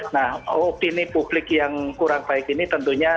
nah opini publik yang kurang baik ini tentunya